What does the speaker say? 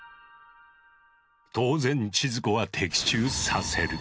当然千鶴子は的中させる。